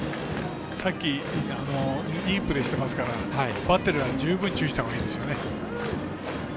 さっきいいプレーしてますからバッテリーは十分注意したほうがいいですよね。